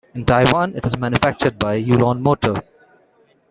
In Taiwan it is manufactured by Yulon Motor.